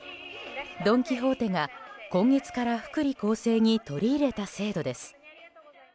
ドン・キホーテが今月から福利厚生に取り入れた制度です。